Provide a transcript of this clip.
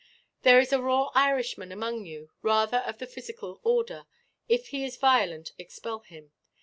"There is a raw Irishman among you, rather of the physical order; if he is violent, expel him.